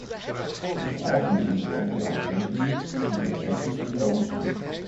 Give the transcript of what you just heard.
In het algemeen moeten we enkele overwegingen, enkele kwesties onder ogen zien.